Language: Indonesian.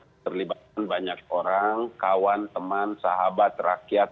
membutuhkan terlibatkan banyak orang kawan teman sahabat rakyat